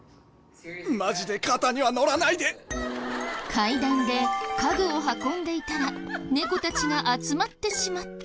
階段で家具を運んでいたら猫たちが集まってしまった。